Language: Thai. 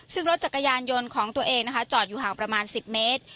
ซึ่งรถจักรยานยนต์ของตัวเองนะคะจอดอยู่ห่างประมาณ๑๐เมตร